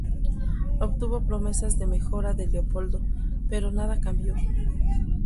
Obtuvo promesas de mejora de Leopoldo, pero nada cambió.